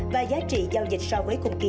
và giá trị giao dịch so với cùng kỳ